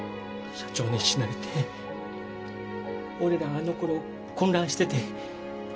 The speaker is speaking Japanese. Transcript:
・社長に死なれて俺らあのころ混乱してて。